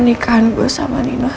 hidup lo juga akan hancur